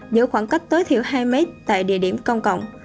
giữ khoảng cách tối thiểu hai mét tại địa điểm công cộng